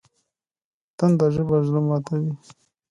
تنده ژبه زړه ماتوي